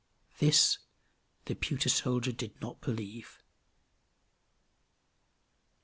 This the pewter soldier did not believe.